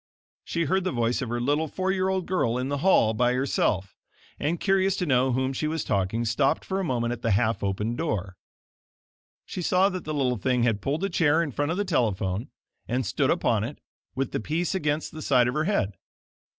She heard the voice of her little, four year old girl in the hall by herself, and, curious to know to whom she was talking, stopped for a moment at the half opened door. She saw that the little thing had pulled a chair in front of the telephone, and stood upon it, with the piece against the side of her head.